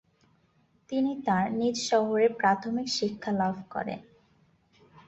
তিনি তাঁর নিজ শহরে প্রাথমিক শিক্ষা লাভ করেন।